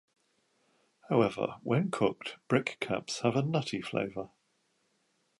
However, when cooked, brick caps have a nutty flavor.